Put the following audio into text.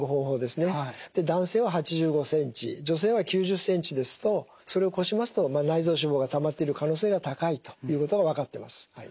男性は８５ｃｍ女性は９０ｃｍですとそれを超しますと内臓脂肪がたまっている可能性が高いということが分かってます。